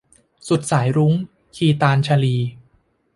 สุดสายรุ้ง - คีตาญชลี